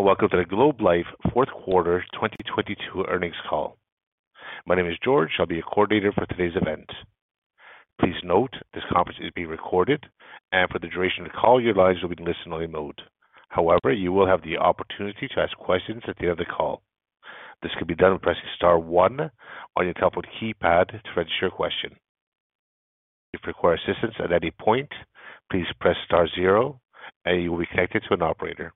Welcome to the Globe Life Fourth Quarter 2022 earnings call. My name is George. I'll be your coordinator for today's event. Please note, this conference is being recorded, and for the duration of the call, your lines will be in listen-only mode. However, you will have the opportunity to ask questions at the end of the call. This can be done by pressing star 1 on your telephone keypad to register your question. If you require assistance at any point, please press star 0 and you will be connected to an operator.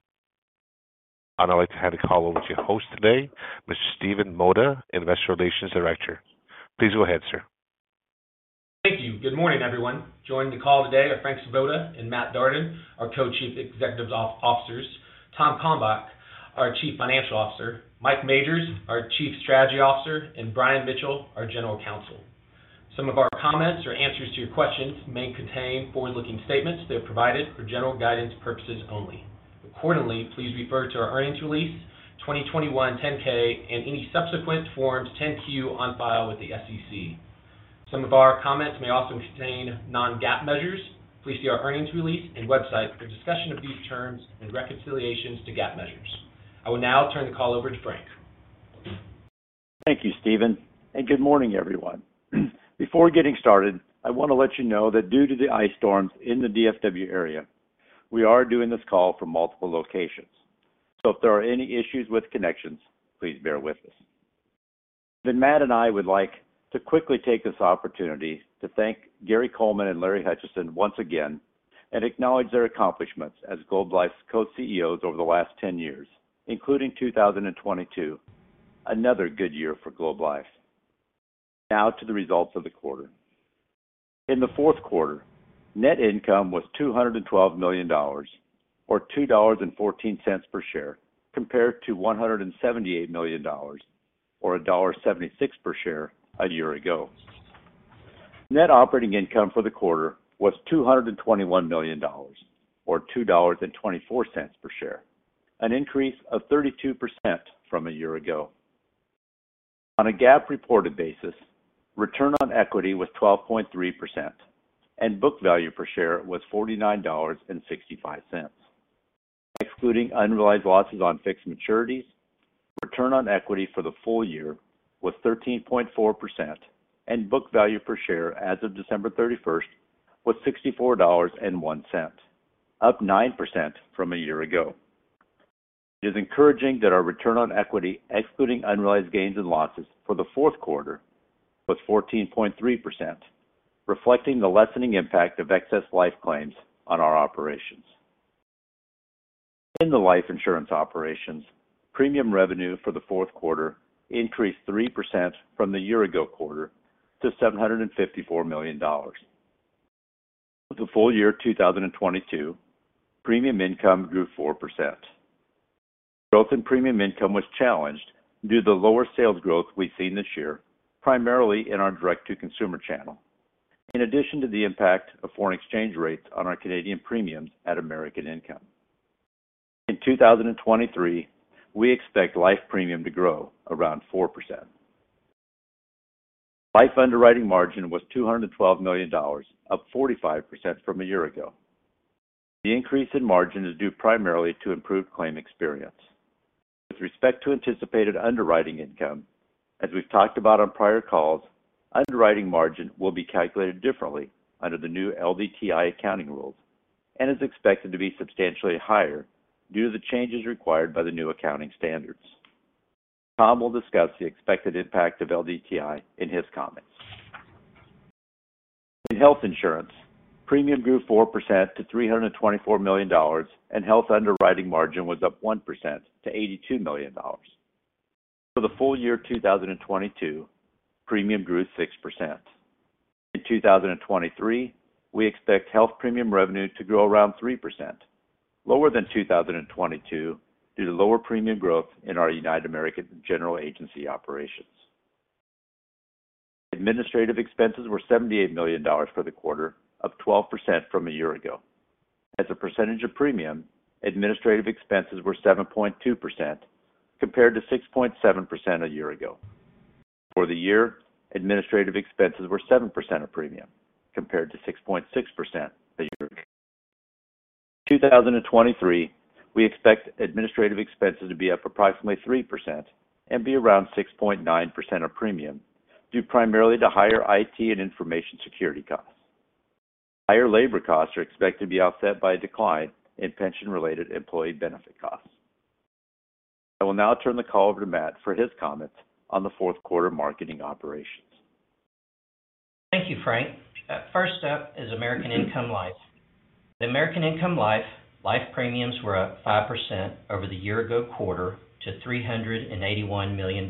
Now I'd like to hand the call over to your host today, Mr. Stephen Mota, Investor Relations Director. Please go ahead, sir. Thank you. Good morning, everyone. Joining the call today are Frank M. Svoboda and J. Matthew Darden, our Co-Chief Executive Officers, Thomas P. Kalmbach, our Chief Financial Officer, Michael C. Majors, our Chief Strategy Officer, and R. Brian Mitchell, our General Counsel. Some of our comments or answers to your questions may contain forward-looking statements that are provided for general guidance purposes only. Accordingly, please refer to our earnings release, 2021 10-K, and any subsequent forms 10-Q on file with the SEC. Some of our comments may also contain non-GAAP measures. Please see our earnings release and website for discussion of these terms and reconciliations to GAAP measures. I will now turn the call over to Frank. Thank you, Stephen Mota, good morning, everyone. Before getting started, I want to let you know that due to the ice storms in the DFW area, we are doing this call from multiple locations. If there are any issues with connections, please bear with us. Matt Darden and I would like to quickly take this opportunity to thank Gary L. Coleman and Larry M. Hutchison once again and acknowledge their accomplishments as Globe Life's co-CEOs over the last 10 years, including 2022, another good year for Globe Life. To the results of the quarter. In the fourth quarter, net income was $212 million or $2.14 per share, compared to $178 million or $1.76 per share a year ago. Net operating income for the quarter was $221 million or $2.24 per share, an increase of 32% from a year ago. On a GAAP reported basis, return on equity was 12.3% and book value per share was $49.65. Excluding unrealized losses on fixed maturities, return on equity for the full year was 13.4% and book value per share as of December 31st was $64.01, up 9% from a year ago. It is encouraging that our return on equity, excluding unrealized gains and losses for the fourth quarter, was 14.3%, reflecting the lessening impact of excess life claims on our operations. In the life insurance operations, premium revenue for the fourth quarter increased 3% from the year-ago quarter to $754 million. For the full year 2022, premium income grew 4%. Growth in premium income was challenged due to the lower sales growth we've seen this year, primarily in our direct-to-consumer channel, in addition to the impact of foreign exchange rates on our Canadian premiums at American Income. In 2023, we expect life premium to grow around 4%. Life underwriting margin was $212 million, up 45% from a year-ago. The increase in margin is due primarily to improved claim experience. With respect to anticipated underwriting income, as we've talked about on prior calls, underwriting margin will be calculated differently under the new LDTI accounting rules and is expected to be substantially higher due to the changes required by the new accounting standards. Tom will discuss the expected impact of LDTI in his comments. In health insurance, premium grew 4% to $324 million, and health underwriting margin was up 1% to $82 million. For the full year 2022, premium grew 6%. In 2023, we expect health premium revenue to grow around 3%, lower than 2022 due to lower premium growth in our United American General Agency operations. Administrative expenses were $78 million for the quarter, up 12% from a year ago. As a percentage of premium, administrative expenses were 7.2% compared to 6.7% a year ago. For the year, administrative expenses were 7% of premium compared to 6.6% a year ago. In 2023, we expect administrative expenses to be up approximately 3% and be around 6.9% of premium, due primarily to higher IT and information security costs. Higher labor costs are expected to be offset by a decline in pension-related employee benefit costs. I will now turn the call over to Matt for his comments on the fourth quarter marketing operations. Thank you, Frank. First up is American Income Life. The American Income Life, life premiums were up 5% over the year-ago quarter to $381 million,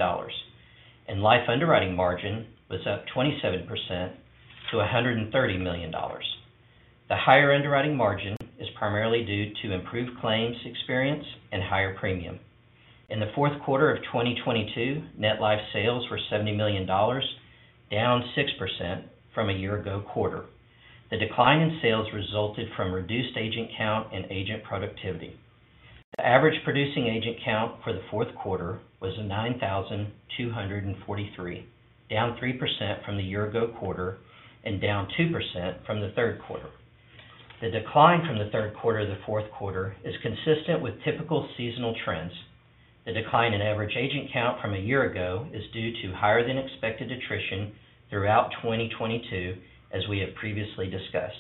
and life underwriting margin was up 27% to $130 million. The higher underwriting margin is primarily due to improved claims experience and higher premium. In the fourth quarter of 2022, net life sales were $70 million, down 6% from a year-ago quarter. The decline in sales resulted from reduced agent count and agent productivity. The average producing agent count for the fourth quarter was 9,243, down 3% from the year-ago quarter and down 2% from the third quarter. The decline from the 3rd quarter to the 4th quarter is consistent with typical seasonal trends. The decline in average agent count from a year-ago is due to higher than expected attrition throughout 2022, as we have previously discussed.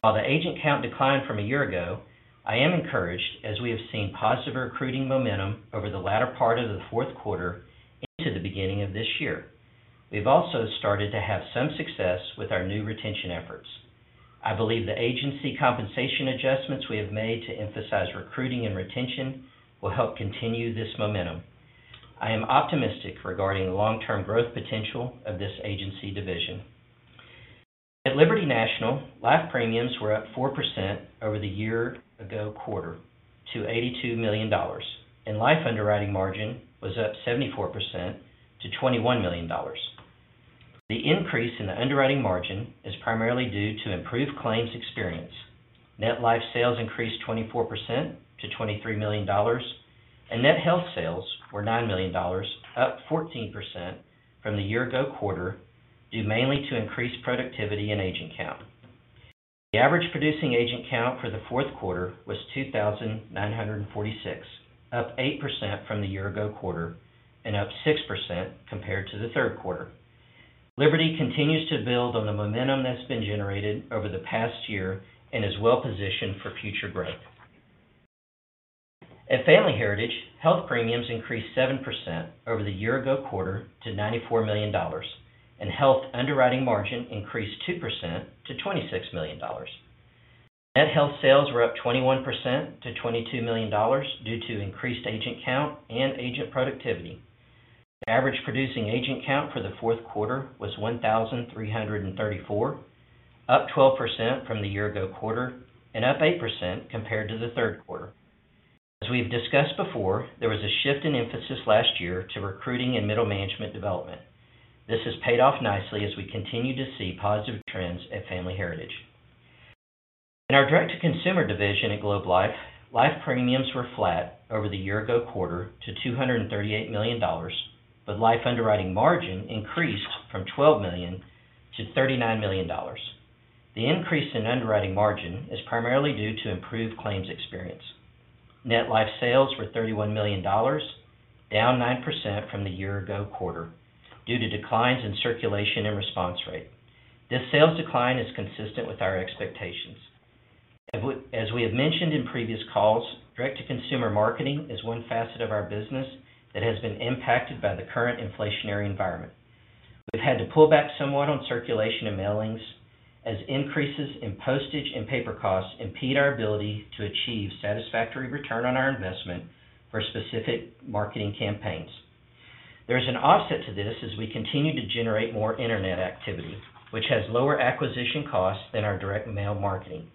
While the agent count declined from a year-ago, I am encouraged as we have seen positive recruiting momentum over the latter part of the 4th quarter into the beginning of this year. We've also started to have some success with our new retention efforts. I believe the agency compensation adjustments we have made to emphasize recruiting and retention will help continue this momentum. I am optimistic regarding the long-term growth potential of this agency division. At Liberty National, life premiums were up 4% over the year-ago quarter to $82 million, and life underwriting margin was up 74% to $21 million. The increase in the underwriting margin is primarily due to improved claims experience. Net life sales increased 24% to $23 million, and net health sales were $9 million, up 14% from the year-ago quarter, due mainly to increased productivity and agent count. The average producing agent count for the fourth quarter was 2,946, up 8% from the year-ago quarter and up 6% compared to the third quarter. Liberty continues to build on the momentum that's been generated over the past year and is well-positioned for future growth. At Family Heritage, health premiums increased 7% over the year-ago quarter to $94 million, and health underwriting margin increased 2% to $26 million. Net health sales were up 21% to $22 million due to increased agent count and agent productivity. The average producing agent count for the fourth quarter was 1,334, up 12% from the year ago quarter and up 8% compared to the third quarter. As we've discussed before, there was a shift in emphasis last year to recruiting and middle management development. This has paid off nicely as we continue to see positive trends at Family Heritage. In our direct-to-consumer division at Globe Life, life premiums were flat over the year ago quarter to $238 million, but life underwriting margin increased from $12 million to $39 million. The increase in underwriting margin is primarily due to improved claims experience. Net life sales were $31 million, down 9% from the year ago quarter due to declines in circulation and response rate. This sales decline is consistent with our expectations. As we have mentioned in previous calls, direct-to-consumer marketing is one facet of our business that has been impacted by the current inflationary environment. We've had to pull back somewhat on circulation and mailings as increases in postage and paper costs impede our ability to achieve satisfactory return on our investment for specific marketing campaigns. There's an offset to this as we continue to generate more internet activity, which has lower acquisition costs than our direct mail marketing.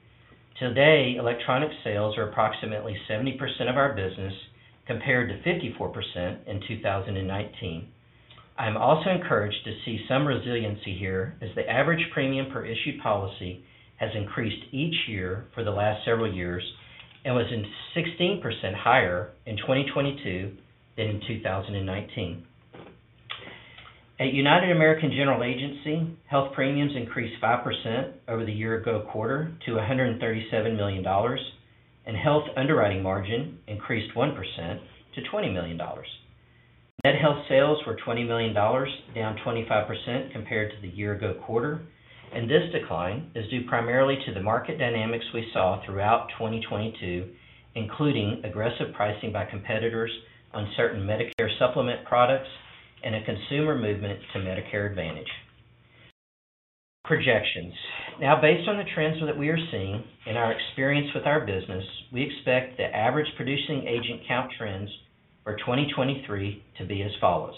Today, electronic sales are approximately 70% of our business, compared to 54% in 2019. I'm also encouraged to see some resiliency here as the average premium per issued policy has increased each year for the last several years and was in 16% higher in 2022 than in 2019. At United American General Agency, health premiums increased 5% over the year ago quarter to $137 million, and health underwriting margin increased 1% to $20 million. Net health sales were $20 million, down 25% compared to the year ago quarter, and this decline is due primarily to the market dynamics we saw throughout 2022, including aggressive pricing by competitors on certain Medicare Supplement products and a consumer movement to Medicare Advantage. Projections. Now based on the trends that we are seeing and our experience with our business, we expect the average producing agent count trends for 2023 to be as follows: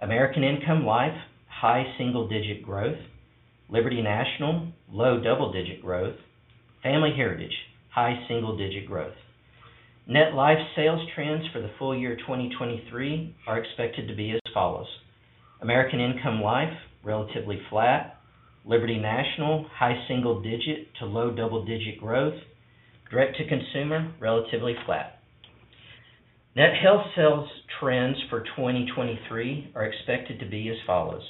American Income Life, high single digit growth; Liberty National, low double digit growth; Family Heritage, high single digit growth. Net life sales trends for the full year 2023 are expected to be as follows: American Income Life, relatively flat; Liberty National, high single-digit to low double-digit growth; direct-to-consumer, relatively flat. Net health sales trends for 2023 are expected to be as follows: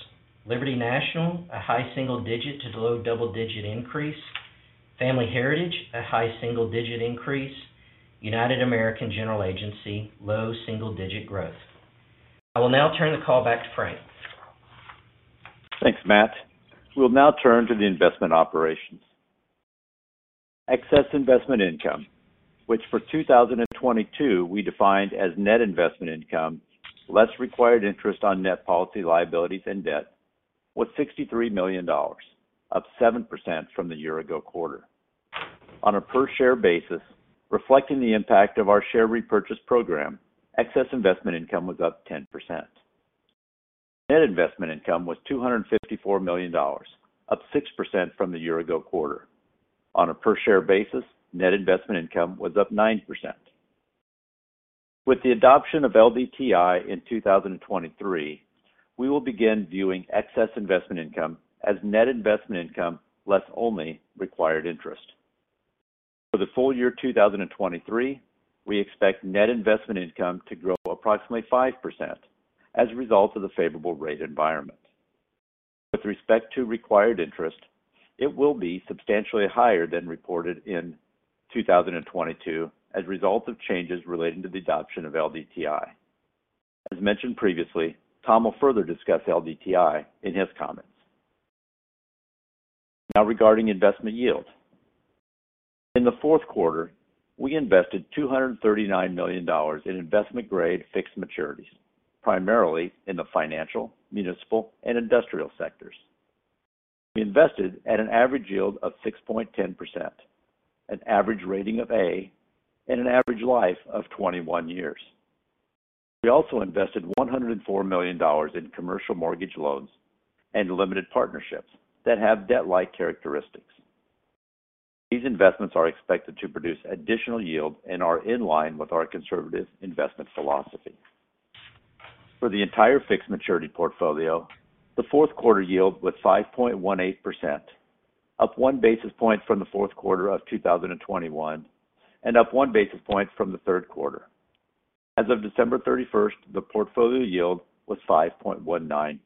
Liberty National, a high single-digit to low double-digit increase; Family Heritage, a high single-digit increase; United American General Agency, low single-digit growth. I will now turn the call back to Frank. Thanks, Matt. We'll now turn to the investment operations. Excess investment income, which for 2022 we defined as net investment income, less required interest on net policy liabilities and debt, was $63 million, up 7% from the year-ago quarter. On a per share basis, reflecting the impact of our share repurchase program, excess investment income was up 10%. Net investment income was $254 million, up 6% from the year-ago quarter. On a per share basis, net investment income was up 9%. With the adoption of LDTI in 2023, we will begin viewing excess investment income as net investment income less only required interest. For the full year 2023, we expect net investment income to grow approximately 5% as a result of the favorable rate environment. With respect to required interest, it will be substantially higher than reported in 2022 as a result of changes relating to the adoption of LDTI. As mentioned previously, Tom will further discuss LDTI in his comments. Regarding investment yield. In the fourth quarter, we invested $239 million in investment-grade fixed maturities, primarily in the financial, municipal, and industrial sectors. We invested at an average yield of 6.10%, an average rating of A, and an average life of 21 years. We also invested $104 million in commercial mortgage loans and limited partnerships that have debt-like characteristics. These investments are expected to produce additional yield and are in line with our conservative investment philosophy. For the entire fixed maturity portfolio, the fourth quarter yield was 5.18%, up 1 basis point from the fourth quarter of 2021, and up 1 basis point from the third quarter. As of December 31st, the portfolio yield was 5.19%.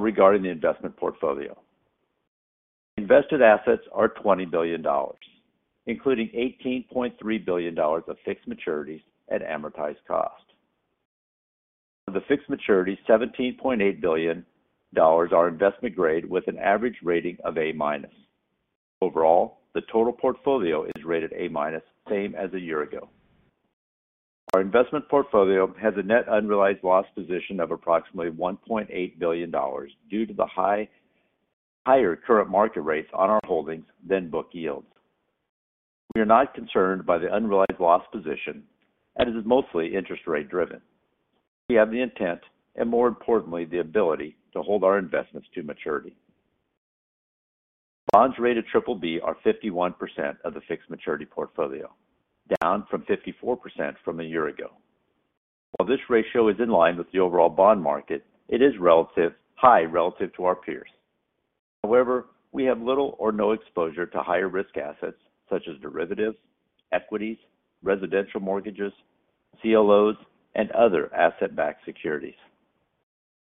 Regarding the investment portfolio. Invested assets are $20 billion, including $18.3 billion of fixed maturities at amortized cost. Of the fixed maturities, $17.8 billion are investment-grade with an average rating of A-minus. Overall, the total portfolio is rated A-minus, same as a year ago. Our investment portfolio has a net unrealized loss position of approximately $1.8 billion due to the higher current market rates on our holdings than book yields. We are not concerned by the unrealized loss position, as it is mostly interest rate driven. We have the intent and, more importantly, the ability to hold our investments to maturity. Bonds rated triple B are 51% of the fixed maturity portfolio, down from 54% from a year ago. While this ratio is in line with the overall bond market, it is high relative to our peers. We have little or no exposure to higher-risk assets such as derivatives, equities, residential mortgages, CLOs, and other asset-backed securities.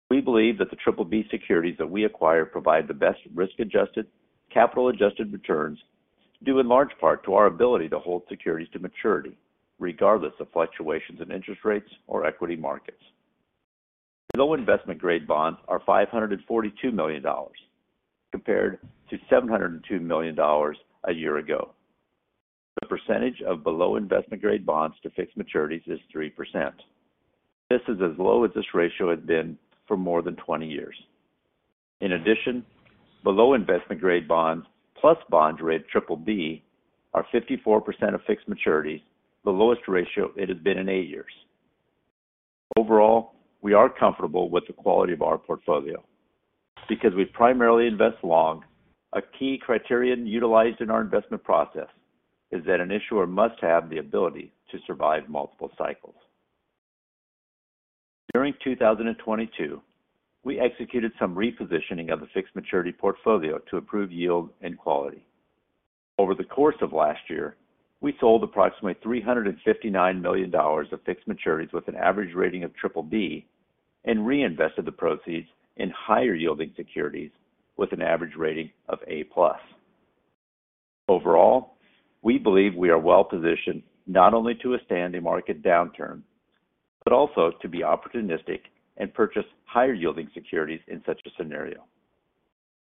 We believe that the triple B securities that we acquire provide the best risk-adjusted, capital-adjusted returns, due in large part to our ability to hold securities to maturity regardless of fluctuations in interest rates or equity markets. Below investment-grade bonds are $542 million, compared to $702 million a year ago. The percentage of below investment-grade bonds to fixed maturities is 3%. This is as low as this ratio has been for more than 20 years. In addition, below investment-grade bonds plus bonds rated triple B are 54% of fixed maturities, the lowest ratio it has been in 8 years. Overall, we are comfortable with the quality of our portfolio. Because we primarily invest long, a key criterion utilized in our investment process is that an issuer must have the ability to survive multiple cycles. During 2022, we executed some repositioning of the fixed maturity portfolio to improve yield and quality. Over the course of last year, we sold approximately $359 million of fixed maturities with an average rating of triple B and reinvested the proceeds in higher-yielding securities with an average rating of A-plus. Overall, we believe we are well-positioned not only to withstand a market downturn, but also to be opportunistic and purchase higher-yielding securities in such a scenario.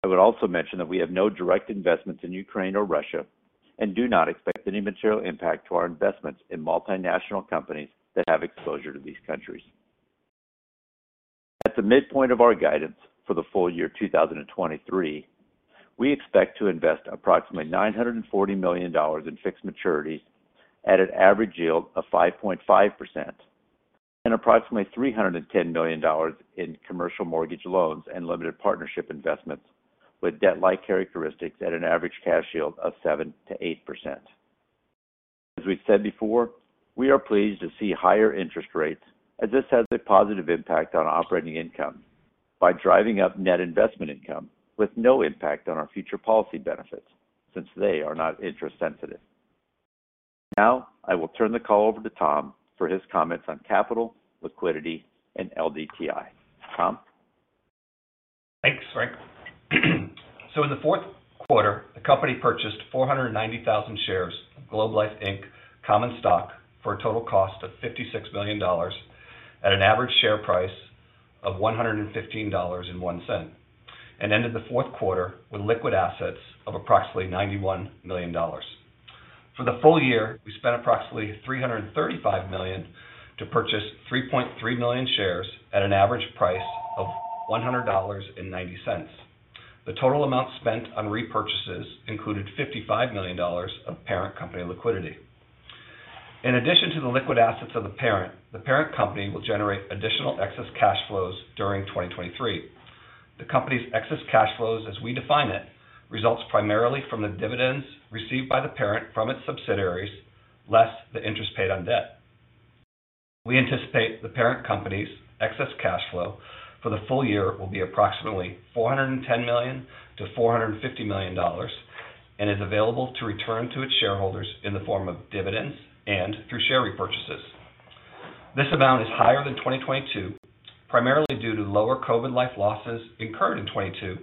I would also mention that we have no direct investments in Ukraine or Russia and do not expect any material impact to our investments in multinational companies that have exposure to these countries. At the midpoint of our guidance for the full year 2023, we expect to invest approximately $940 million in fixed maturities at an average yield of 5.5%, and approximately $310 million in commercial mortgage loans and limited partnership investments with debt-like characteristics at an average cash yield of 7%-8%. As we've said before, we are pleased to see higher interest rates as this has a positive impact on operating income by driving up net investment income with no impact on our future policy benefits, since they are not interest sensitive. I will turn the call over to Tom for his comments on capital, liquidity, and LDTI. Tom? Thanks, Frank. In the fourth quarter, the company purchased 490,000 shares of Globe Life Inc. common stock for a total cost of $56 million at an average share price of $115.01, and ended the fourth quarter with liquid assets of approximately $91 million. For the full year, we spent approximately $335 million to purchase 3.3 million shares at an average price of $100.90. The total amount spent on repurchases included $55 million of parent company liquidity. In addition to the liquid assets of the parent, the parent company will generate additional excess cash flows during 2023. The company's excess cash flows, as we define it, results primarily from the dividends received by the parent from its subsidiaries, less the interest paid on debt. We anticipate the parent company's excess cash flow for the full year will be approximately $410 million-$450 million, and is available to return to its shareholders in the form of dividends and through share repurchases. This amount is higher than 2022, primarily due to lower COVID life losses incurred in 2022,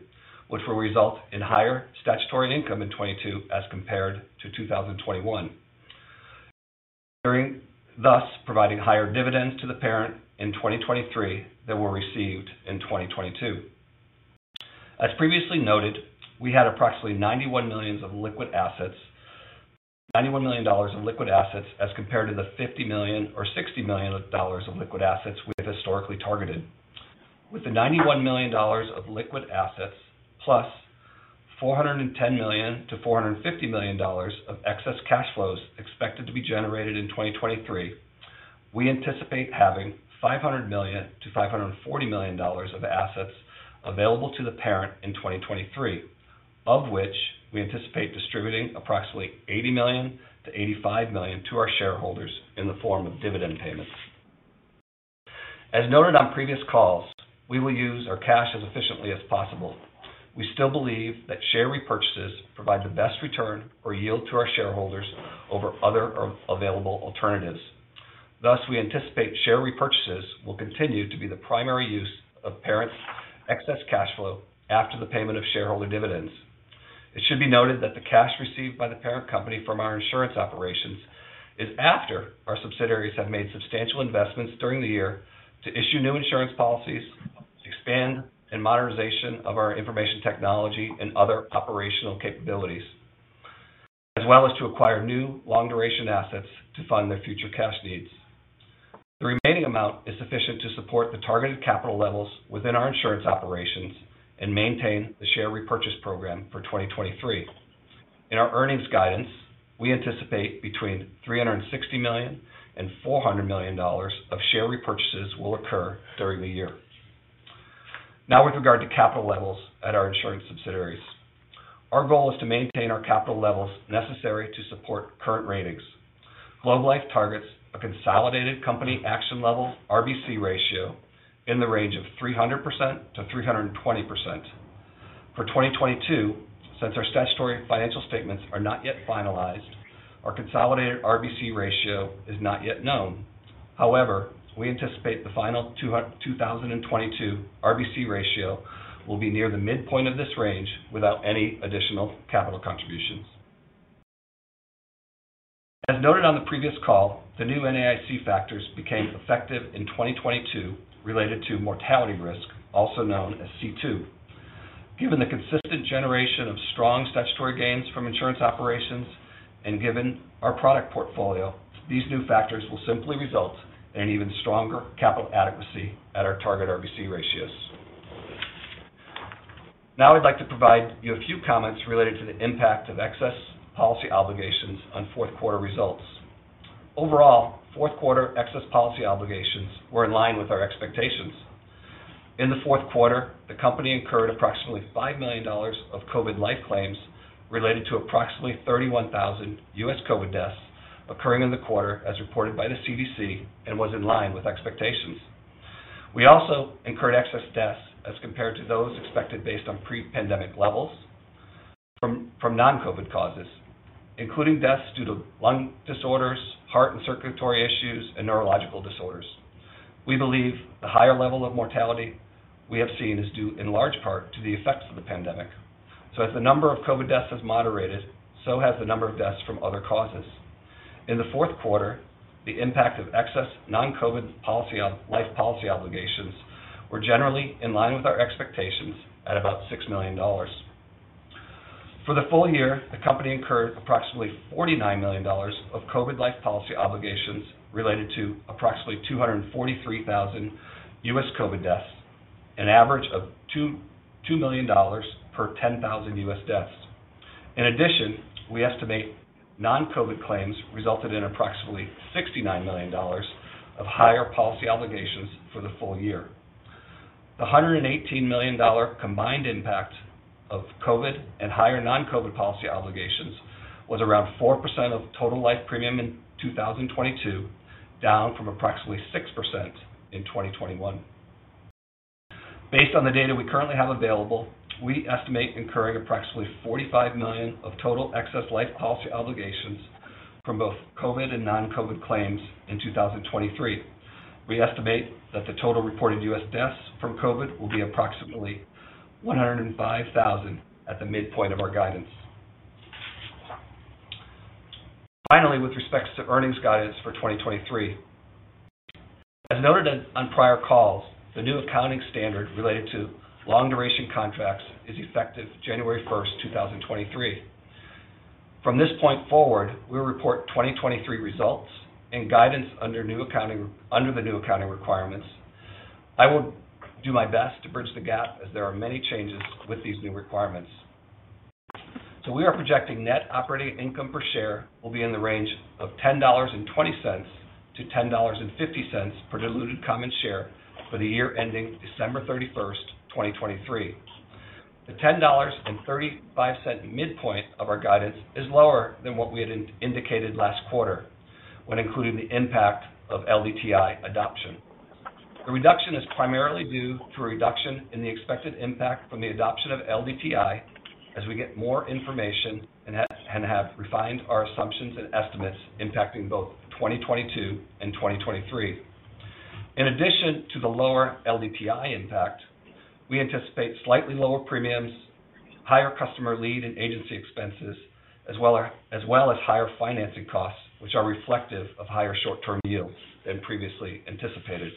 which will result in higher statutory income in 2022 as compared to 2021. Thus, providing higher dividends to the parent in 2023 than were received in 2022. As previously noted, we had approximately $91 million in liquid assets as compared to the $50 million or $60 million of liquid assets we've historically targeted. With the $91 million of liquid assets plus $410 million-$450 million of excess cash flows expected to be generated in 2023, we anticipate having $500 million-$540 million of assets available to the parent in 2023. Of which we anticipate distributing approximately $80 million-$85 million to our shareholders in the form of dividend payments. As noted on previous calls, we will use our cash as efficiently as possible. We still believe that share repurchases provide the best return or yield to our shareholders over other available alternatives. Thus, we anticipate share repurchases will continue to be the primary use of parent's excess cash flow after the payment of shareholder dividends. It should be noted that the cash received by the parent company from our insurance operations is after our subsidiaries have made substantial investments during the year to issue new insurance policies, expand and modernization of our information technology and other operational capabilities, as well as to acquire new long duration assets to fund their future cash needs. The remaining amount is sufficient to support the targeted capital levels within our insurance operations and maintain the share repurchase program for 2023. In our earnings guidance, we anticipate between $360 million and $400 million of share repurchases will occur during the year. With regard to capital levels at our insurance subsidiaries. Our goal is to maintain our capital levels necessary to support current ratings. Globe Life targets a consolidated company action level RBC ratio in the range of 300%-320%. For 2022, since our statutory financial statements are not yet finalized, our consolidated RBC ratio is not yet known. However, we anticipate the final 2022 RBC ratio will be near the midpoint of this range without any additional capital contributions. As noted on the previous call, the new NAIC factors became effective in 2022, related to mortality risk, also known as C two. Given the consistent generation of strong statutory gains from insurance operations and given our product portfolio, these new factors will simply result in an even stronger capital adequacy at our target RBC ratios. I'd like to provide you a few comments related to the impact of excess policy obligations on fourth quarter results. Overall, fourth quarter excess policy obligations were in line with our expectations. In the fourth quarter, the company incurred approximately $5 million of COVID life claims related to approximately 31,000 U.S. COVID deaths occurring in the quarter as reported by the CDC and was in line with expectations. We also incurred excess deaths as compared to those expected based on pre-pandemic levels from non-COVID causes, including deaths due to lung disorders, heart and circulatory issues, and neurological disorders. As the number of COVID deaths has moderated, so has the number of deaths from other causes. In the fourth quarter, the impact of excess non-COVID life policy obligations were generally in line with our expectations at about $6 million. For the full year, the company incurred approximately $49 million of COVID life policy obligations related to approximately 243,000 U.S. COVID deaths, an average of $2 million per 10,000 U.S. deaths. In addition, we estimate non-COVID claims resulted in approximately $69 million of higher policy obligations for the full year. The $118 million combined impact of COVID and higher non-COVID policy obligations was around 4% of total life premium in 2022, down from approximately 6% in 2021. Based on the data we currently have available, we estimate incurring approximately $45 million of total excess life policy obligations from both COVID and non-COVID claims in 2023. We estimate that the total reported U.S. deaths from COVID will be approximately 105,000 at the midpoint of our guidance. Finally, with respects to earnings guidance for 2023. As noted on prior calls, the new accounting standard related to long duration contracts is effective January 1st, 2023. From this point forward, we'll report 2023 results and guidance under the new accounting requirements. I will do my best to bridge the gap as there are many changes with these new requirements. We are projecting net operating income per share will be in the range of $10.20-$10.50 per diluted common share for the year ending December 31, 2023. The $10.35 midpoint of our guidance is lower than what we had indicated last quarter when including the impact of LDTI adoption. The reduction is primarily due to a reduction in the expected impact from the adoption of LDTI as we get more information and have refined our assumptions and estimates impacting both 2022 and 2023. In addition to the lower LDTI impact, we anticipate slightly lower premiums, higher customer lead and agency expenses, as well as higher financing costs, which are reflective of higher short-term yields than previously anticipated.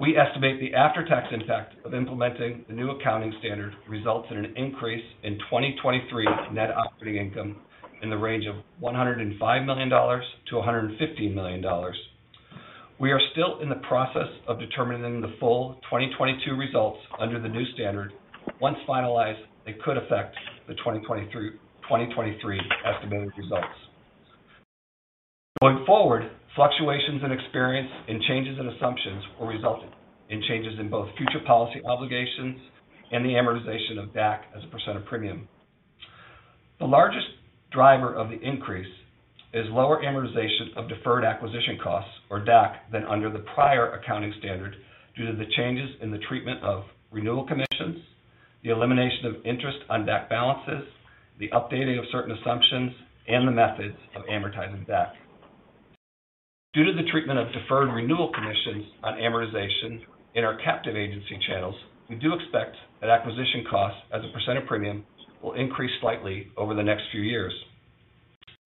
We estimate the after-tax impact of implementing the new accounting standard results in an increase in 2023 net operating income in the range of $105 million to $150 million. We are still in the process of determining the full 2022 results under the new standard. Once finalized, it could affect the 2023 estimated results. Going forward, fluctuations in experience and changes in assumptions will result in changes in both future policy obligations and the amortization of DAC as a % of premium. The largest driver of the increase is lower amortization of deferred acquisition costs, or DAC, than under the prior accounting standard due to the changes in the treatment of renewal commissions, the elimination of interest on DAC balances, the updating of certain assumptions, and the methods of amortizing DAC. Due to the treatment of deferred renewal commissions on amortization in our captive agency channels, we do expect that acquisition costs as a percent of premium will increase slightly over the next few years.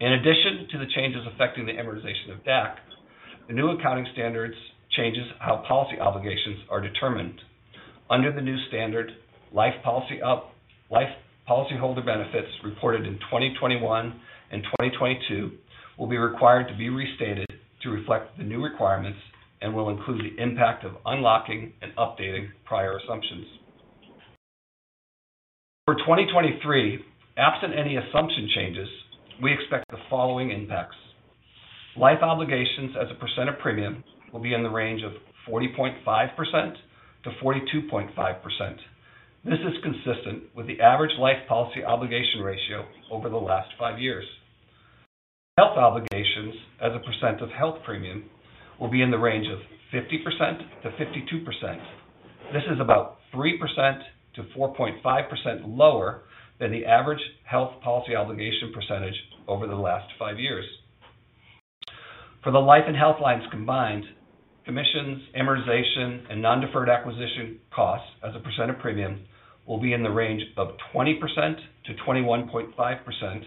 In addition to the changes affecting the amortization of DAC, the new accounting standards changes how policy obligations are determined. Under the new standard, life policy holder benefits reported in 2021 and 2022 will be required to be restated to reflect the new requirements and will include the impact of unlocking and updating prior assumptions. For 2023, absent any assumption changes, we expect the following impacts. Life obligations as a percent of premium will be in the range of 40.5%-42.5%. This is consistent with the average life policy obligation ratio over the last five years. Health obligations as a percent of health premium will be in the range of 50%-52%. This is about 3%-4.5% lower than the average health policy obligation percentage over the last 5 years. For the life and health lines combined, commissions, amortization, and non-deferred acquisition costs as a percent of premium will be in the range of 20%-21.5%,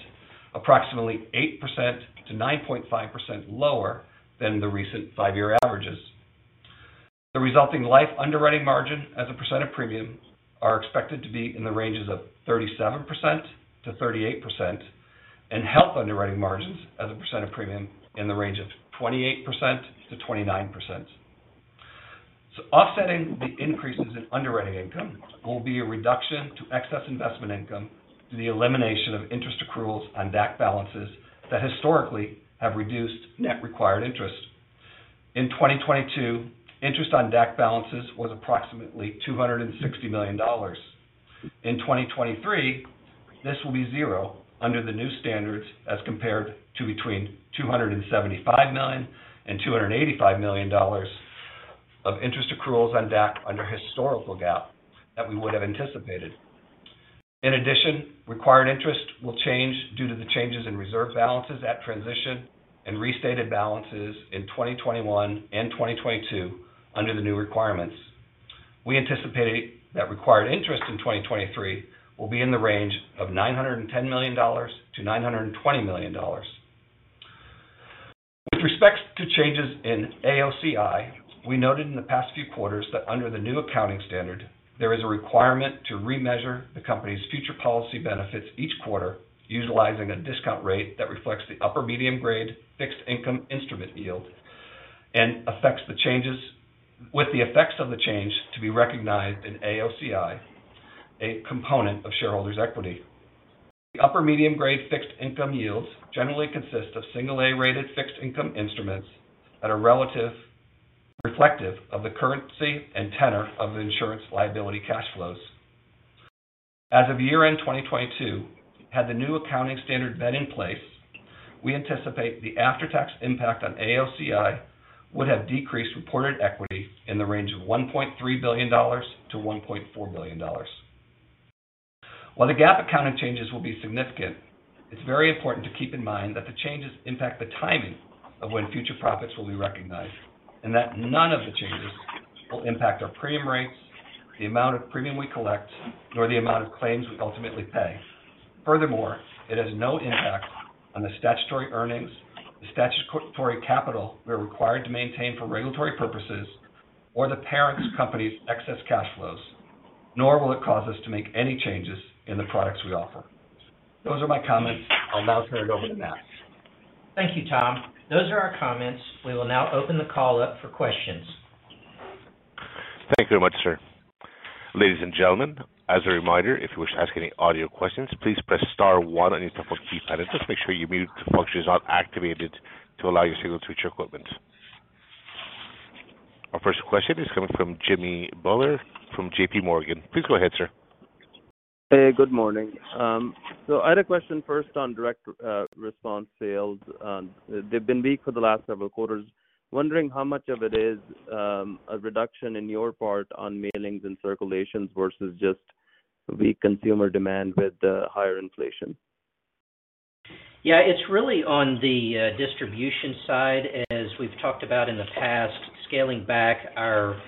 approximately 8%-9.5% lower than the recent 5-year averages. The resulting life underwriting margin as a percent of premium are expected to be in the ranges of 37%-38%, and health underwriting margins as a percent of premium in the range of 28%-29%. Offsetting the increases in underwriting income will be a reduction to excess investment income due to the elimination of interest accruals on DAC balances that historically have reduced net required interest. In 2022, interest on DAC balances was approximately $260 million. In 2023, this will be 0 under the new standards, as compared to between $275 million and $285 million of interest accruals on DAC under historical GAAP that we would have anticipated. In addition, required interest will change due to the changes in reserve balances at transition and restated balances in 2021 and 2022 under the new requirements. We anticipate that required interest in 2023 will be in the range of $910 million-$920 million. With respects to changes in AOCI, we noted in the past few quarters that under the new accounting standard, there is a requirement to remeasure the company's future policy benefits each quarter utilizing a discount rate that reflects the upper medium grade fixed income instrument yield with the effects of the change to be recognized in AOCI, a component of shareholders' equity. The upper medium grade fixed income yields generally consist of single A-rated fixed income instruments that are reflective of the currency and tenor of the insurance liability cash flows. As of year-end 2022, had the new accounting standard been in place, we anticipate the after-tax impact on AOCI would have decreased reported equity in the range of $1.3 billion-$1.4 billion. While the GAAP accounting changes will be significant, it's very important to keep in mind that the changes impact the timing of when future profits will be recognized, and that none of the changes will impact our premium rates, the amount of premium we collect, nor the amount of claims we ultimately pay. It has no impact on the statutory earnings, the statutory capital we are required to maintain for regulatory purposes, or the parent company's excess cash flows, nor will it cause us to make any changes in the products we offer. Those are my comments. I'll now turn it over to Matt. Thank you, Tom. Those are our comments. We will now open the call up for questions. Thank you very much, sir. Ladies and gentlemen, as a reminder, if you wish to ask any audio questions, please press star 1 on your telephone keypad and just make sure your mute function is not activated to allow your signal to reach your equipment. Our first question is coming from Jimmy Bhullar from JP Morgan. Please go ahead, sir. Hey, good morning. I had a question first on direct response sales. They've been weak for the last several quarters. Wondering how much of it is a reduction in your part on mailings and circulations versus just weak consumer demand with the higher inflation? Yeah. It's really on the distribution side as we've talked about in the past, scaling back our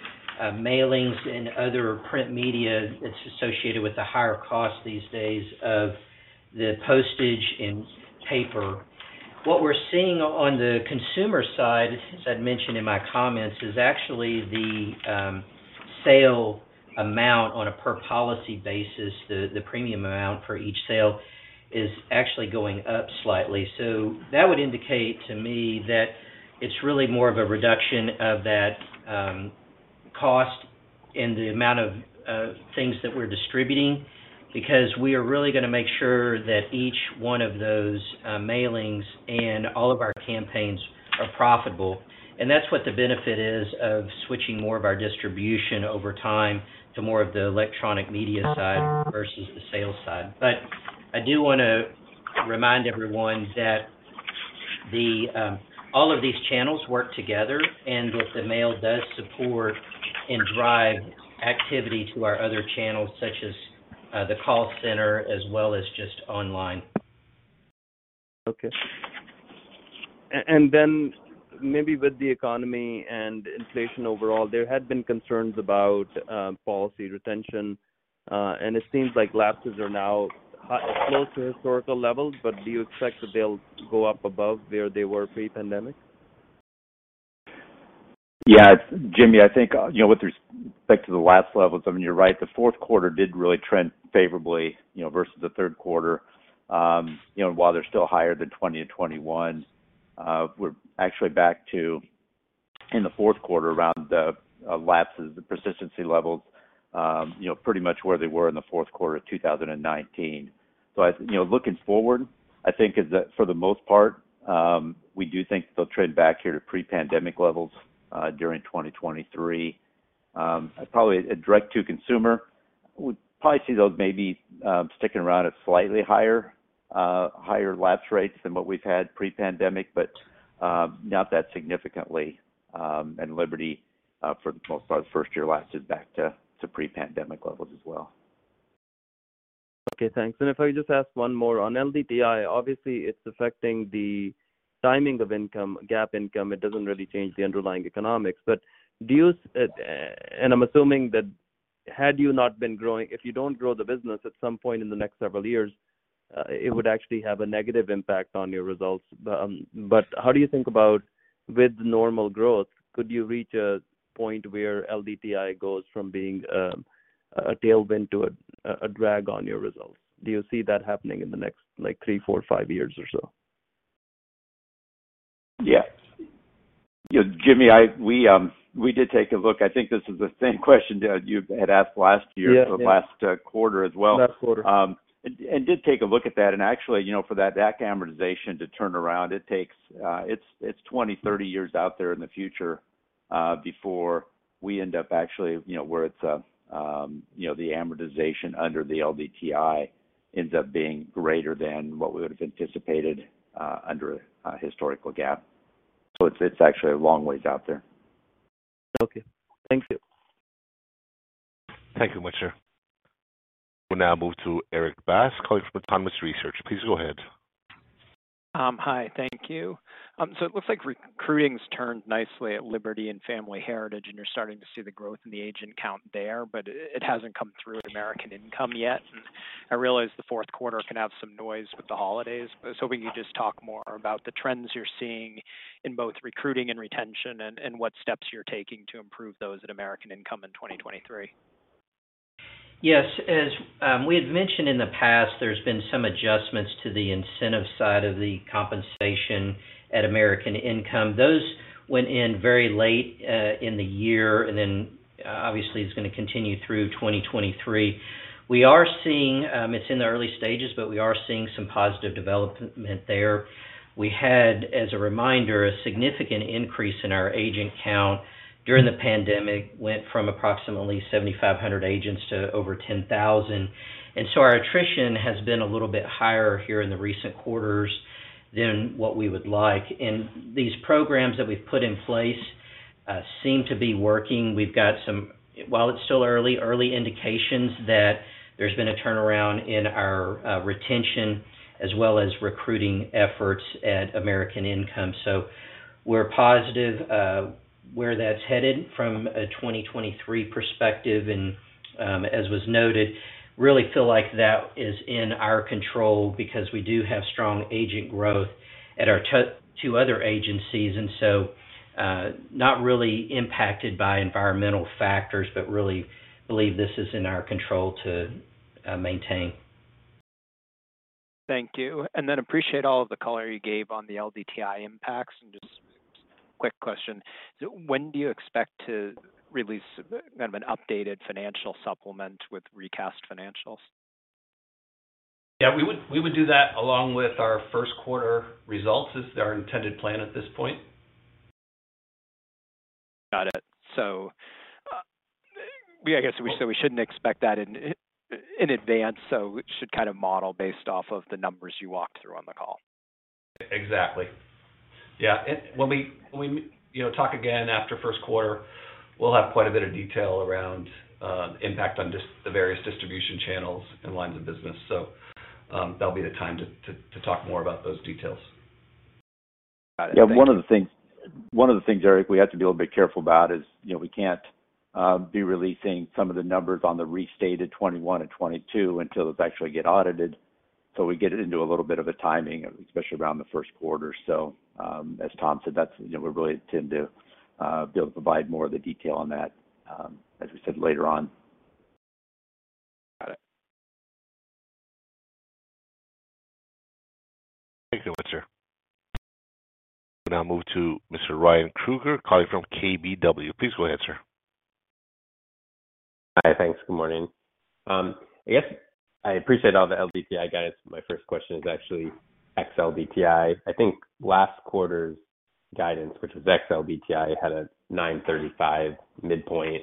mailings and other print media. It's associated with the higher cost these days of the postage and paper. What we're seeing on the consumer side, as I'd mentioned in my comments, is actually the sale amount on a per policy basis. The premium amount for each sale is actually going up slightly. That would indicate to me that it's really more of a reduction of that cost in the amount of things that we're distributing, because we are really gonna make sure that each one of those mailings and all of our campaigns are profitable. That's what the benefit is of switching more of our distribution over time to more of the electronic media side versus the sales side. I do wanna remind everyone that the, all of these channels work together, and what the mail does support and drive activity to our other channels, such as, the call center as well as just online. Okay. Maybe with the economy and inflation overall, there had been concerns about policy retention. It seems like lapses are now close to historical levels, but do you expect that they'll go up above where they were pre-pandemic? Yeah. Jimmy, I think, you know, with respect to the lapse levels, I mean, you're right. The fourth quarter did really trend favorably, you know, versus the third quarter. While they're still higher than 2020 and 2021, we're actually back to, in the fourth quarter, around the lapses, the persistency levels, you know, pretty much where they were in the fourth quarter of 2019. I, you know, looking forward, I think is that for the most part, we do think they'll trend back here to pre-pandemic levels during 2023. Probably a direct to consumer, we'd probably see those maybe sticking around at slightly higher lapse rates than what we've had pre-pandemic, not that significantly. Liberty, for the most part, first year lapses back to pre-pandemic levels as well. Okay, thanks. If I could just ask one more. On LDTI, obviously, it's affecting the timing of income, GAAP income. It doesn't really change the underlying economics. Do you and I'm assuming that had you not been growing, if you don't grow the business at some point in the next several years, it would actually have a negative impact on your results. How do you think about with normal growth, could you reach a point where LDTI goes from being a tailwind to a drag on your results? Do you see that happening in the next, like, three, four, five years or so? Yeah. You know, Jimmy, we did take a look. I think this is the same question that you had asked last year- Yeah. Yeah. for the last quarter as well. Last quarter. Did take a look at that. Actually, you know, for that DAC amortization to turn around, it takes, it's 20, 30 years out there in the future, before we end up actually, you know, where it's, you know, the amortization under the LDTI ends up being greater than what we would have anticipated, under, historical GAAP. It's actually a long ways out there. Okay. Thank you. Thank you, Sir. We'll now move to Erik Bass calling from Autonomous Research. Please go ahead. Hi. Thank you. It looks like recruiting's turned nicely at Liberty and Family Heritage, and you're starting to see the growth in the agent count there, but it hasn't come through at American Income yet. I realize the fourth quarter can have some noise with the holidays, was hoping you could just talk more about the trends you're seeing in both recruiting and retention and what steps you're taking to improve those at American Income in 2023. Yes. As we had mentioned in the past, there's been some adjustments to the incentive side of the compensation at American Income. Those went in very late in the year. Obviously, it's gonna continue through 2023. We are seeing, it's in the early stages, but we are seeing some positive development there. We had, as a reminder, a significant increase in our agent count during the pandemic, went from approximately 7,500 agents to over 10,000. Our attrition has been a little bit higher here in the recent quarters than what we would like. These programs that we've put in place, seem to be working. We've got some, while it's still early indications that there's been a turnaround in our retention as well as recruiting efforts at American Income. We're positive where that's headed from a 2023 perspective, as was noted, really feel like that is in our control because we do have strong agent growth at our C two other agencies. Not really impacted by environmental factors, but really believe this is in our control to maintain. Thank you. Appreciate all of the color you gave on the LDTI impacts. Just quick question. When do you expect to release kind of an updated financial supplement with recast financials? Yeah, we would do that along with our first quarter results is our intended plan at this point. Got it. Yeah, I guess we said we shouldn't expect that in advance, so we should kind of model based off of the numbers you walked through on the call. Exactly. Yeah. When we, you know, talk again after first quarter, we'll have quite a bit of detail around impact on the various distribution channels and lines of business. That'll be the time to talk more about those details. Got it. Thank you. Yeah. One of the things, Erik, we have to be a little bit careful about is, you know, we can't be releasing some of the numbers on the restated 21 and 22 until those actually get audited. We get into a little bit of a timing, especially around the first quarter. As Tom said, that's, you know, we really tend to be able to provide more of the detail on that, as we said later on. Got it. Thank you, sir. We'll now move to Mr. Ryan Krueger calling from KBW. Please go ahead, sir. Hi. Thanks. Good morning. I guess I appreciate all the LDTI guidance. My first question is actually ex-LDTI. I think last quarter's guidance, which was ex-LDTI, had a $9.35 midpoint.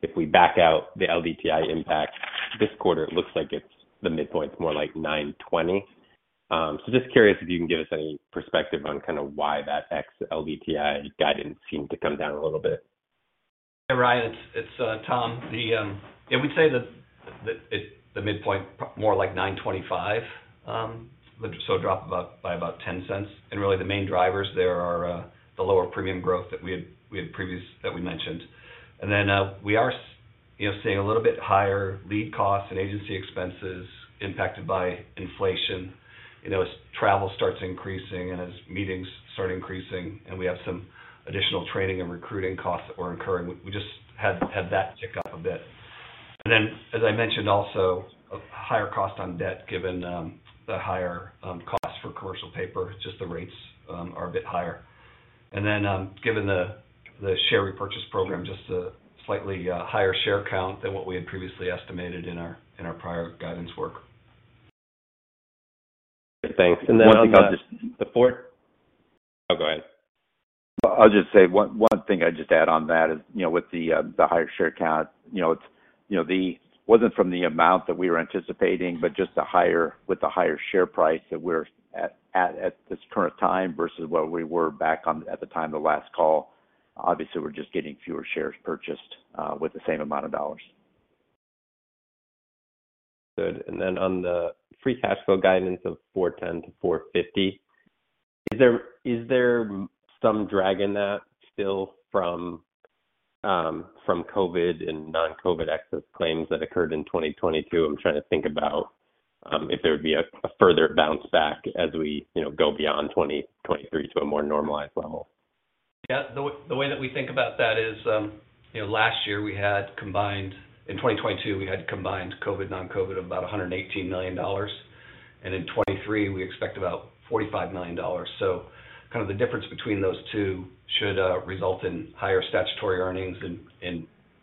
If we back out the LDTI impact this quarter, it looks like it's the midpoint's more like $9.20. Just curious if you can give us any perspective on kind of why that ex-LDTI guidance seemed to come down a little bit. Yeah, Ryan, it's Tom. The, yeah, we'd say that the midpoint more like $0.925, so drop about by about $0.10. Really the main drivers there are the lower premium growth that we had previous that we mentioned. Then, we are, you know, seeing a little bit higher lead costs and agency expenses impacted by inflation, you know, as travel starts increasing and as meetings start increasing and we have some additional training and recruiting costs that we're incurring. We just had that tick up a bit. Then as I mentioned also, a higher cost on debt given the higher cost for commercial paper, just the rates are a bit higher. Given the share repurchase program, just a slightly higher share count than what we had previously estimated in our prior guidance work. Great. Thanks. One thing I'll just. The fourth. Oh, go ahead. I'll just say one thing I'd just add on that is, you know, with the higher share count, you know, it wasn't from the amount that we were anticipating, but just with the higher share price that we're at this current time versus where we were back on at the time of the last call. Obviously, we're just getting fewer shares purchased with the same amount of dollars. Good. Then on the free cash flow guidance of $410-$450, is there some drag in that still from COVID and non-COVID excess claims that occurred in 2022? I'm trying to think about if there would be a further bounce back as we, you know, go beyond 2023 to a more normalized level. Yeah. The way that we think about that is, you know, In 2022, we had combined COVID, non-COVID of about $118 million. In 2023 we expect about $45 million. Kind of the difference between those two should result in higher statutory earnings in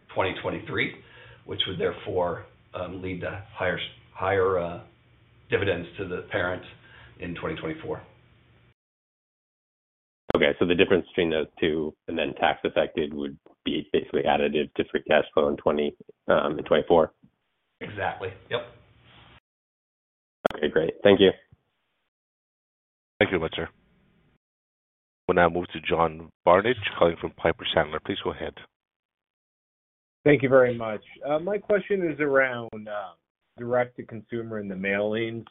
2023, which would therefore lead to higher dividends to the parent in 2024. Okay. The difference between those two and then tax affected would be basically additive to free cash flow in 2024? Exactly. Yep. Okay, great. Thank you. Thank you, sir. We'll now move to John Barnidge calling from Piper Sandler. Please go ahead. Thank you very much. My question is around direct to consumer in the mailings.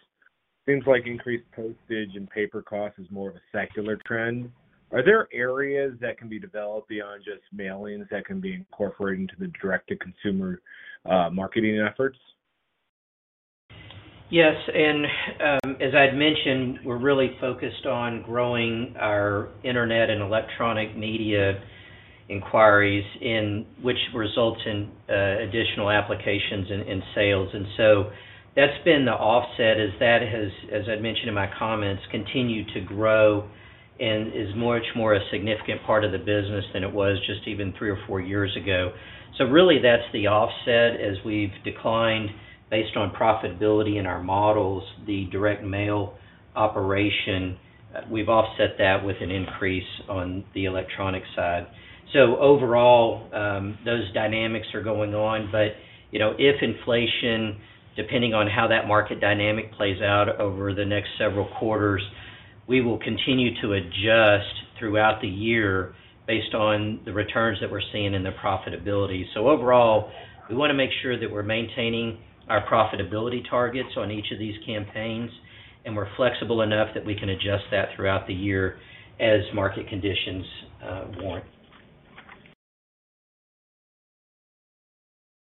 Things like increased postage and paper costs is more of a secular trend. Are there areas that can be developed beyond just mailings that can be incorporated into the direct to consumer marketing efforts? Yes. As I'd mentioned, we're really focused on growing our internet and electronic media inquiries in which results in additional applications in sales. That's been the offset as that has, as I mentioned in my comments, continued to grow and is much more a significant part of the business than it was just even 3 or 4 years ago. Really that's the offset. As we've declined based on profitability in our models, the direct mail operation, we've offset that with an increase on the electronic side. Overall, those dynamics are going on. You know, if inflation, depending on how that market dynamic plays out over the next several quarters, we will continue to adjust throughout the year based on the returns that we're seeing in the profitability. Overall, we want to make sure that we're maintaining our profitability targets on each of these campaigns, and we're flexible enough that we can adjust that throughout the year as market conditions, warrant.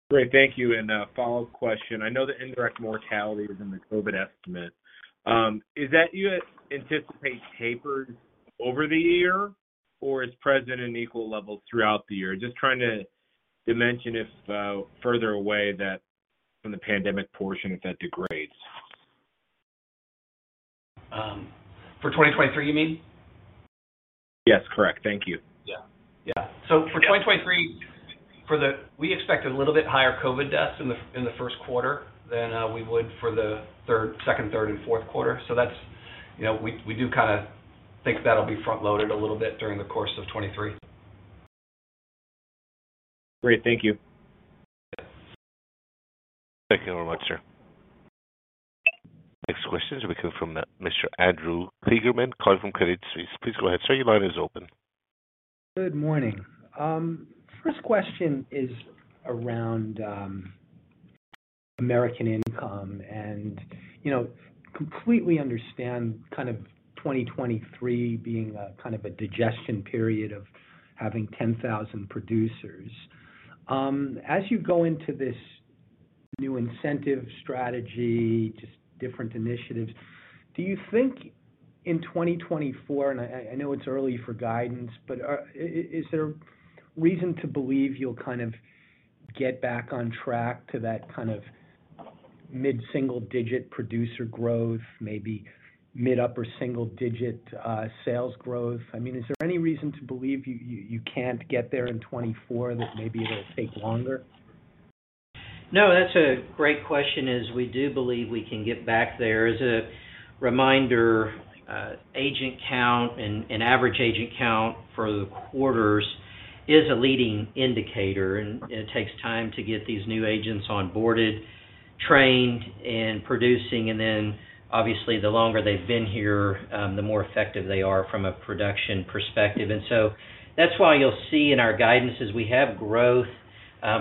Great. Thank you. A follow-up question. I know the indirect mortality is in the COVID estimate. Is that you anticipate tapered over the year, or is present in equal levels throughout the year? Just trying to dimension if, further away that from the pandemic portion, if that degrades. For 2023 you mean? Yes, correct. Thank you. Yeah. Yeah. For 2023, we expect a little bit higher COVID deaths in the first quarter than we would for the third, second, third and fourth quarter. That's, you know, we do kinda think that'll be front-loaded a little bit during the course of 2023. Great. Thank you. Yeah. Thank you very much, sir. Next question will be coming from Mr. Andrew Kligerman calling from Credit Suisse. Please go ahead, sir. Your line is open. Good morning. First question is around American Income and, you know, completely understand kind of 2023 being a kind of a digestion period of having 10,000 producers. As you go into this new incentive strategy, just different initiatives, do you think in 2024, and I know it's early for guidance, but is there reason to believe you'll kind of get back on track to that kind of mid-single-digit producer growth, maybe mid-upper-single-digit sales growth? I mean, is there any reason to believe you can't get there in 2024, that maybe it'll take longer? That's a great question, as we do believe we can get back there. As a reminder, agent count and average agent count for the quarters is a leading indicator. It takes time to get these new agents onboarded, trained, and producing. Obviously, the longer they've been here, the more effective they are from a production perspective. That's why you'll see in our guidance is we have growth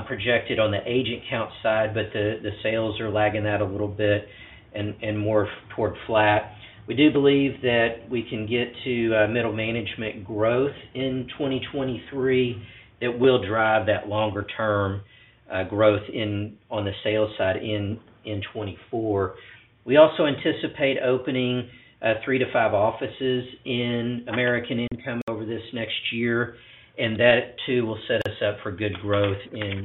projected on the agent count side, but the sales are lagging out a little bit and more toward flat. We do believe that we can get to middle management growth in 2023 that will drive that longer term growth on the sales side in 2024. We also anticipate opening 3-5 offices in American Income over this next year, that too will set us up for good growth in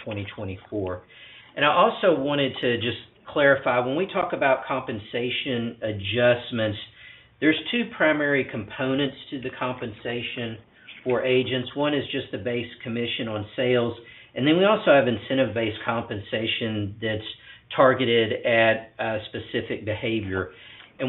2024. I also wanted to just clarify, when we talk about compensation adjustments, there's 2 primary components to the compensation for agents. One is just the base commission on sales, and then we also have incentive-based compensation that's targeted at specific behavior.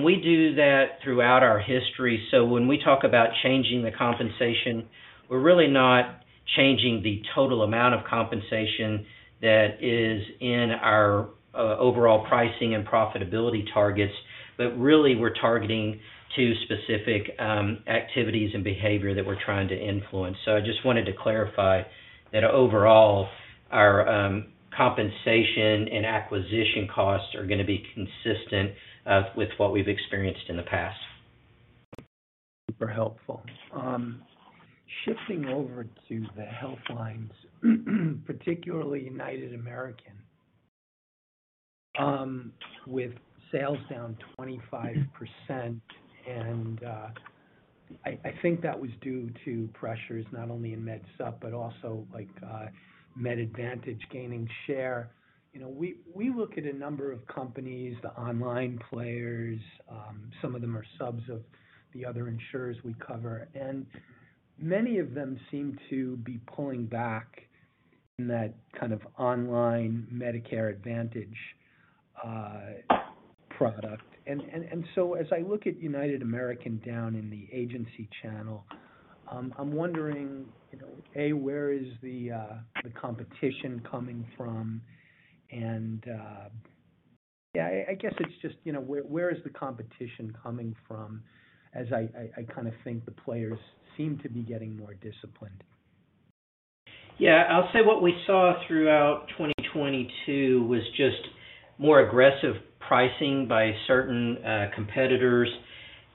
We do that throughout our history. When we talk about changing the compensation, we're really not changing the total amount of compensation that is in our overall pricing and profitability targets, but really we're targeting to specific activities and behavior that we're trying to influence. I just wanted to clarify that overall, our compensation and acquisition costs are gonna be consistent with what we've experienced in the past. Super helpful. Shifting over to the Health Lines, particularly United American, with sales down 25%, I think that was due to pressures not only in MedSup, but also, like, Medicare Advantage gaining share. You know, we look at a number of companies, the online players, some of them are subs of the other insurers we cover, and many of them seem to be pulling back in that kind of online Medicare Advantage product. As I look at United American down in the agency channel, I'm wondering, you know, A, where is the competition coming from? I guess it's just, you know, where is the competition coming from as I kinda think the players seem to be getting more disciplined. Yeah. I'll say what we saw throughout 2022 was just more aggressive pricing by certain competitors,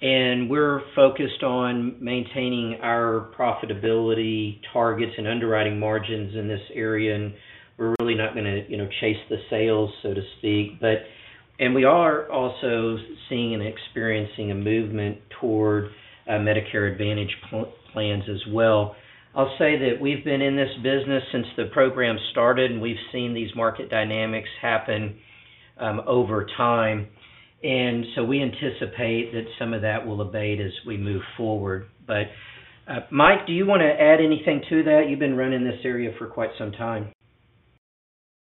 and we're focused on maintaining our profitability targets and underwriting margins in this area, and we're really not gonna, you know, chase the sales, so to speak. We are also seeing and experiencing a movement toward Medicare Advantage plans as well. I'll say that we've been in this business since the program started, and we've seen these market dynamics happen over time. So we anticipate that some of that will abate as we move forward. Mike, do you wanna add anything to that? You've been running this area for quite some time.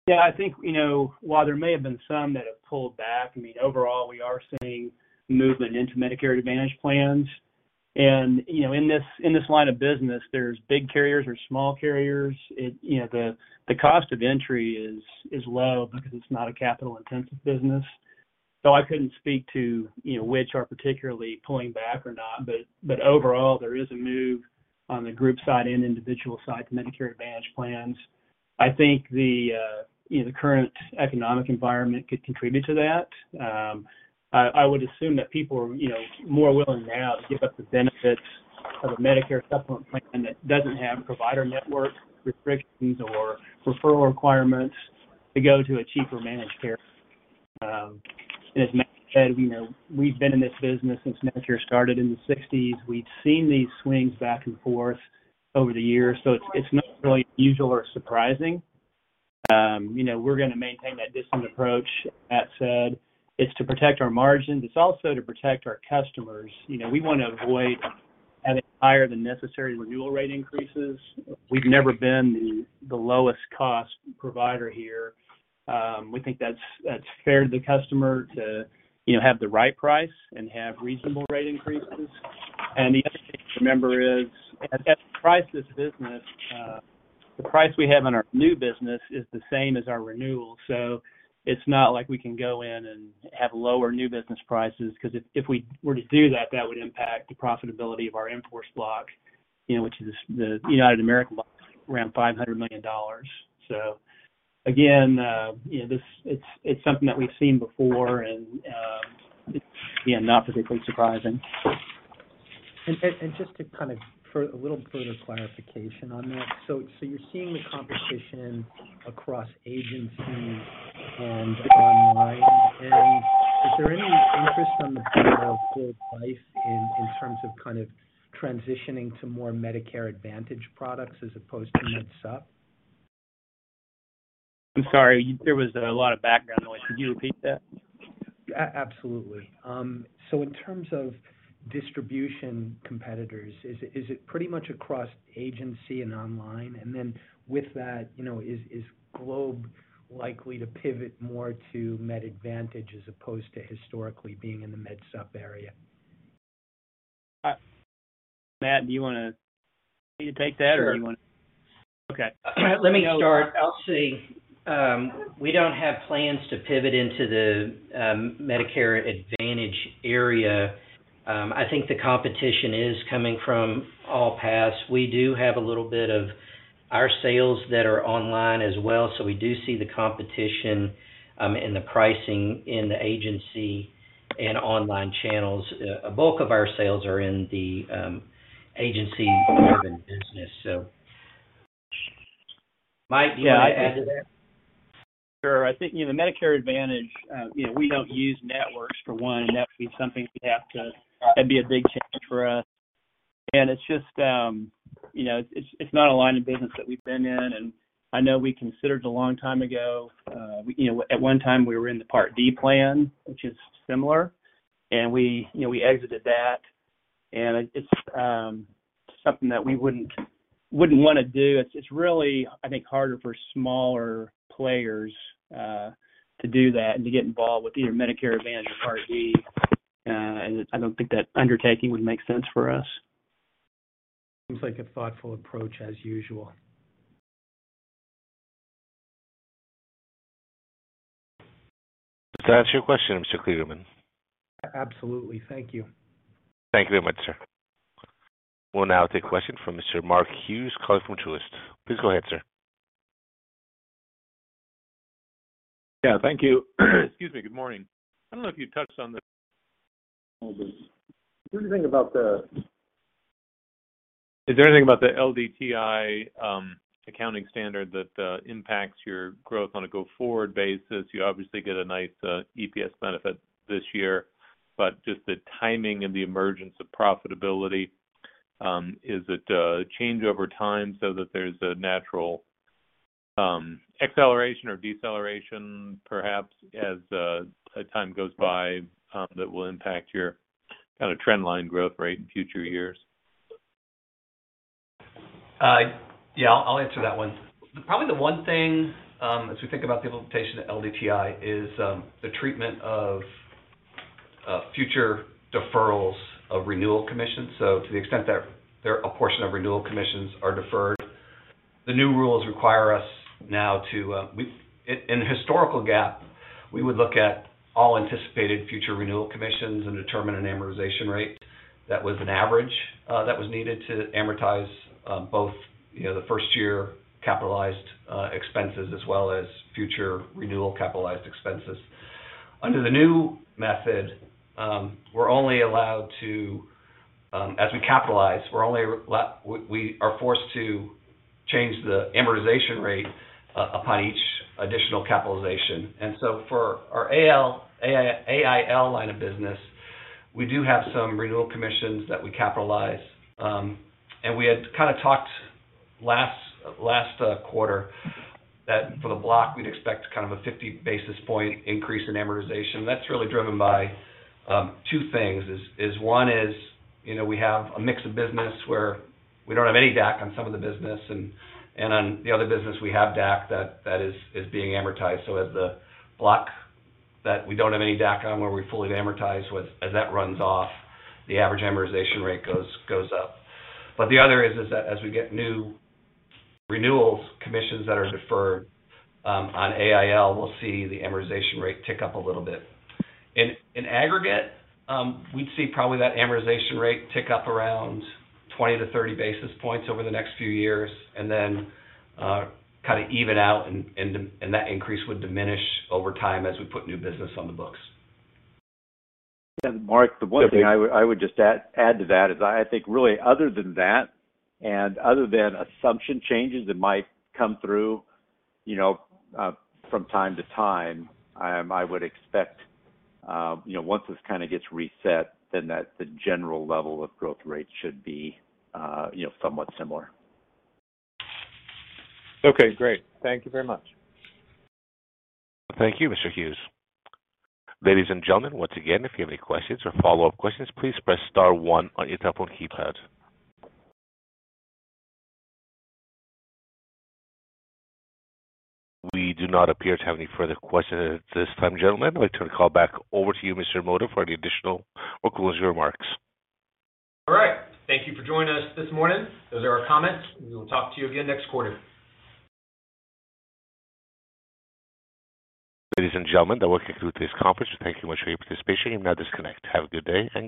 Yeah. I think, you know, while there may have been some that have pulled back, I mean, overall, we are seeing movement into Medicare Advantage Plans. You know, in this, in this line of business, there's big carriers or small carriers. You know, the cost of entry is low because it's not a capital-intensive business. I couldn't speak to, you know, which are particularly pulling back or not, but overall, there is a move on the group side and individual side to Medicare Advantage Plans. I think the, you know, the current economic environment could contribute to that. I would assume that people are, you know, more willing now to give up the benefits of a Medicare Supplement plan that doesn't have provider network restrictions or referral requirements to go to a cheaper managed care. As Matt said, you know, we've been in this business since Medicare started in the 1960s. We've seen these swings back and forth over the years, so it's not really usual or surprising. You know, we're gonna maintain that disciplined approach. Matt said it's to protect our margins. It's also to protect our customers. You know, we wanna avoid having higher than necessary renewal rate increases. We've never been the lowest cost provider here. We think that's fair to the customer to, you know, have the right price and have reasonable rate increases. The other thing to remember is as we price this business, the price we have in our new business is the same as our renewal. It's not like we can go in and have lower new business prices, 'cause if we were to do that would impact the profitability of our in-force block, you know, which is the United American block, around $500 million. Again, you know, this, it's something that we've seen before, and, it's, yeah, not particularly surprising. Just a little further clarification on that. You're seeing the competition across agencies and online, and is there any interest on the part of Globe Life in terms of kind of transitioning to more Medicare Advantage products as opposed to MedSup? I'm sorry, there was a lot of background noise. Could you repeat that? Absolutely. In terms of distribution competitors, is it pretty much across agency and online? With that, you know, is Globe likely to pivot more to Med Advantage as opposed to historically being in the MedSup area? Matt, do you wanna take that? Sure. Do you wanna? Okay. Let me start. I'll see. We don't have plans to pivot into the Medicare Advantage area. I think the competition is coming from all paths. We do have a little bit of our sales that are online as well, so we do see the competition in the pricing in the agency and online channels. A bulk of our sales are in the agency-driven business, so. Mike, you wanna add to that? Sure. I think, you know, Medicare Advantage, you know, we don't use networks for one. That would be something we'd have to... That'd be a big change for us. It's just, you know, it's not a line of business that we've been in, and I know we considered a long time ago. You know, at one time we were in the Part D plan, which is similar, and we, you know, we exited that. It's something that we wouldn't wanna do. It's really, I think, harder for smaller players to do that and to get involved with either Medicare Advantage or Part D. I don't think that undertaking would make sense for us. Seems like a thoughtful approach as usual. Does that answer your question, Mr. Kligerman? Absolutely. Thank you. Thank you very much, sir. We'll now take a question from Mr. Mark Hughes calling from Truist. Please go ahead, sir. Thank you. Excuse me. Good morning. Is there anything about the LDTI accounting standard that impacts your growth on a go-forward basis? You obviously get a nice EPS benefit this year, but just the timing and the emergence of profitability, is it change over time so that there's a natural acceleration or deceleration perhaps as time goes by, that will impact your kind of trend line growth rate in future years? Yeah, I'll answer that one. Probably the one thing, as we think about the implementation of LDTI is the treatment of future deferrals of renewal commissions. To the extent that there a portion of renewal commissions are deferred, the new rules require us now to. In historical GAAP, we would look at all anticipated future renewal commissions and determine an amortization rate that was an average that was needed to amortize, both, you know, the first year capitalized expenses as well as future renewal capitalized expenses. Under the new method, we're only allowed to, as we capitalize, we are forced to change the amortization rate upon each additional capitalization. For our AIL line of business, we do have some renewal commissions that we capitalize. We had kind of talked last quarter that for the block, we'd expect kind of a 50 basis point increase in amortization. That's really driven by 2 things. One is, you know, we have a mix of business where we don't have any DAC on some of the business, and on the other business, we have DAC being amortized. As the block that we don't have any DAC on, where we fully amortize with, as that runs off, the average amortization rate goes up. The other is that as we get new renewals, commissions that are deferred on AIL, we'll see the amortization rate tick up a little bit. In aggregate, we'd see probably that amortization rate tick up around 20 to 30 basis points over the next few years and then, kind of even out and that increase would diminish over time as we put new business on the books. Mark, the one thing I would just add to that is I think really other than that and other than assumption changes that might come through, you know, from time to time, I would expect, you know, once this kind of gets reset, then that the general level of growth rates should be, you know, somewhat similar. Okay, great. Thank you very much. Thank you, Mr. Hughes. Ladies and gentlemen, once again, if you have any questions or follow-up questions, please press star one on your telephone keypad. We do not appear to have any further questions at this time. Gentlemen, I'd like to turn the call back over to you, Mr. Mota, for any additional or closing remarks. All right. Thank you for joining us this morning. Those are our comments. We will talk to you again next quarter. Ladies and gentlemen, that will conclude this conference. Thank you much for your participation. You may now disconnect. Have a good day.